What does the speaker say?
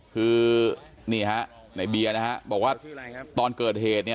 คือนี่ฮะในเบียร์นะฮะบอกว่าตอนเกิดเหตุเนี่ย